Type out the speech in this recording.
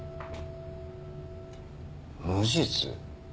無実？